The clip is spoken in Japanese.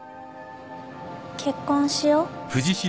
結婚しよう